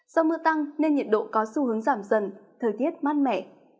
do mưa tăng nên nhiệt độ có xu hướng giảm dần thời tiết mát mẻ